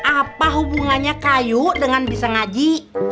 apa hubungannya kayu dengan bisa ngaji